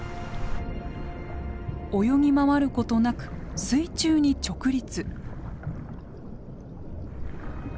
泳ぎ回ることなく水中に直立。